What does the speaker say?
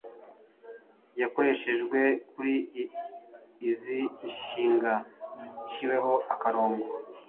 yakoreshejwe kuri izi nshinga ziciweho akarongo: